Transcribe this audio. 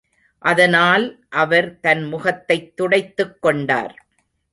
அதனால் அவர் தன் முகத்தைத் துடைத்துக் கொண்டார்.